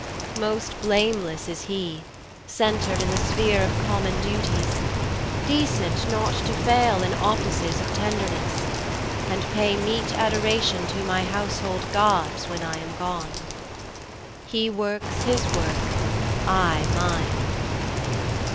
Most blameless is he, centred in the sphereOf common duties, decent not to failIn offices of tenderness, and payMeet adoration to my household gods, When I am gone. He works his work, I mine.